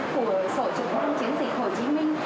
của sổ trực ban chiến dịch hồ chí minh